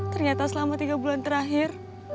ternyata selama tiga bulan terakhir